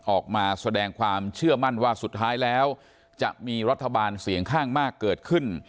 ออกมาแสดงความเชื่อมั่นว่าสุดท้ายแล้วจะมีรัฐบาลเสียงข้างมากเกิดขึ้น